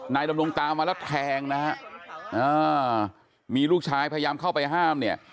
ดำรงตามมาแล้วแทงนะฮะมีลูกชายพยายามเข้าไปห้ามเนี่ย